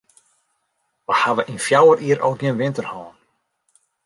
Wy hawwe yn fjouwer jier al gjin winter hân.